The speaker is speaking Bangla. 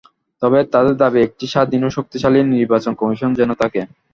তবে তাঁদের দাবি একটি স্বাধীন ও শক্তিশালী নির্বাচন কমিশন যেন থাকে।